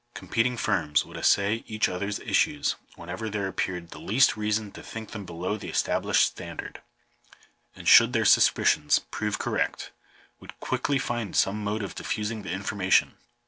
Competing firms would assay each other s issues whenever there appeared the least reason to think them below the established standard, and should their suspicions . prove cor rect, would quickly find some mode of diffusing the informa tion.